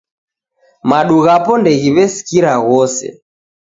Madu ghapo ndeghiw'eskira ghose